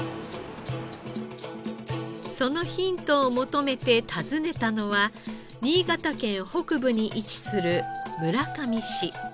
そのヒントを求めて訪ねたのは新潟県北部に位置する村上市。